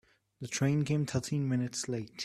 The train came thirteen minutes late.